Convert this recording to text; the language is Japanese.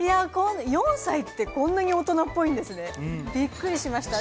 ４歳ってこんなに大人っぽいんですね、びっくりしました。